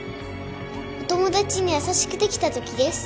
お友達に優しくできたときです。